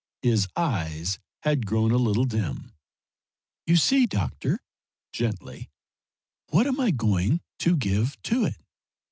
His eyes had grown a little dim. "You see, doctor," gently, "what I am going to give to it?